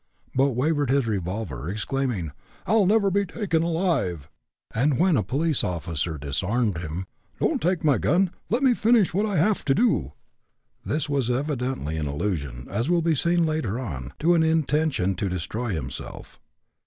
but waved his revolver, exclaiming: "I'll never be taken alive!" and when a police officer disarmed him: "Don't take my gun; let me finish what I have to do." This was evidently an allusion, as will be seen later on, to an intention to destroy himself.